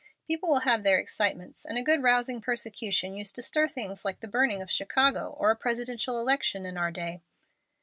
People will have their excitements, and a good rousing persecution used to stir things like the burning of Chicago or a Presidential election in our day."